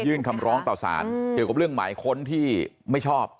คำร้องต่อสารเกี่ยวกับเรื่องหมายค้นที่ไม่ชอบ